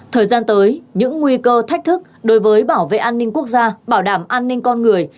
thời gian tới những nguy cơ thách thức đối với bảo vệ an ninh quốc gia bảo đảm an ninh con người